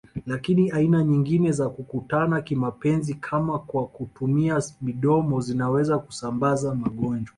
Lakini aina nyingine za kukutana kimapenzi kama kwa kutumia midomo zinaweza kusambaza magonjwa